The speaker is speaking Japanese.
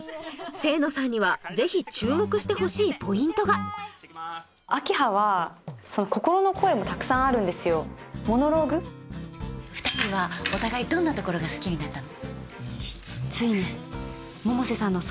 清野さんにはぜひ注目してほしいポイントが明葉は心の声もたくさんあるんですよ二人はお互いどんな所が好きになったの？